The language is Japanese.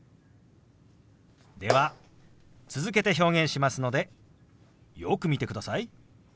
では続けて表現しますのでよく見てください。